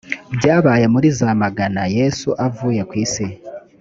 byabaye muri za magana yesu avuye ku isi